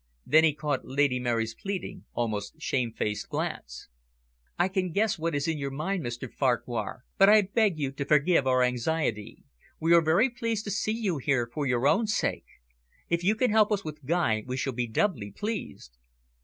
Then he caught Lady Mary's pleading, almost shamefaced glance. "I can quite guess what is in your mind, Mr Farquhar, but I beg you to forgive our anxiety. We are very pleased to see you here for your own sake. If you can help us with Guy, we shall be doubly pleased."